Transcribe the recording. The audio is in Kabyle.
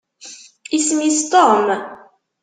Isem-is Tom